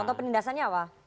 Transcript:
contoh penindasannya apa